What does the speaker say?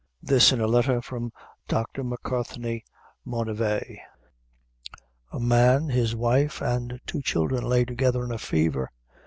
Letter from Dr. Mucarthney, Monivae. "'A man, his wife, and two children lay together in a fever.